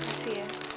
terima kasih ya